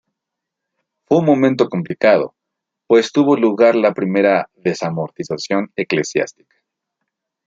Fue un momento complicado, pues tuvo lugar la primera Desamortización eclesiástica.